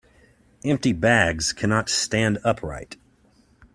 Empty bags cannot stand upright.